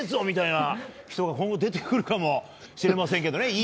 みたいな人が今後、出てくるかもしれませんけどね。